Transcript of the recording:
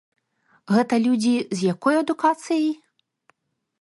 Гэта людзі з якой адукацыяй?